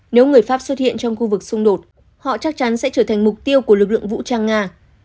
nếu người pháp xuất hiện trong khu vực xung đột họ chắc chắn sẽ trở thành mục tiêu của lực lượng vũ trang nga